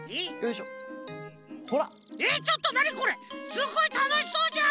すごいたのしそうじゃん！